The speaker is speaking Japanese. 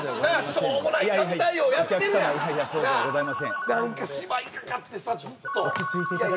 しょうもない神対応やってるやんなあ何か芝居がかってさずっとあのさ